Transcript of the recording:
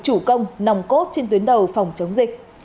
chủ công nòng cốt trên tuyến đầu phòng chống dịch